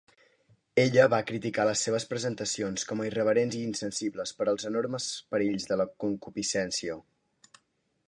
Ella va criticar les seves presentacions com a irreverent i insensibles pels "enormes perills" de la concupiscència.